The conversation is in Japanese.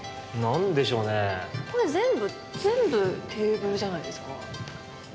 これ全部全部テーブルじゃないですか。